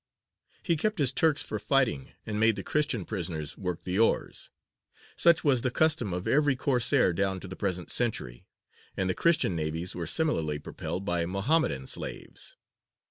He kept his Turks for fighting, and made the Christian prisoners work the oars; such was the custom of every Corsair down to the present century, and the Christian navies were similarly propelled by Mohammedan slaves.